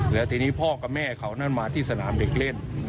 แล้วทีนี้พ่อกับแม่เขานั่นมาที่สนามเด็กเล่น